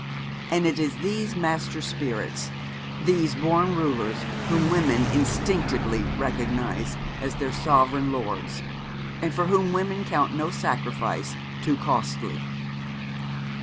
And it is these master spirits, these born rulers, whom women instinctively recognise as their sovereign lords, and for whom women count no sacrifice too costly.